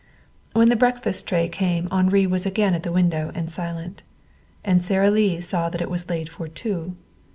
When the breakfast tray came Henri was again at the window and silent. And Sara Lee saw that it was laid for two.